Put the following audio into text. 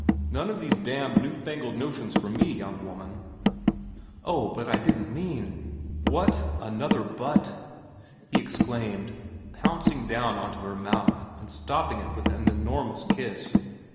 None of these damned new fangled notions for me, young woman.' 4 Oh, but I didn't mean 4 What ? Another but ?' he exclaimed, pouncing down on to her mouth and stopping it with an enormous kiss.